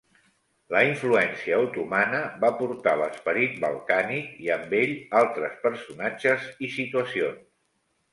La influència otomana va portar l'esperit balcànic i amb ell, altres personatges i situacions.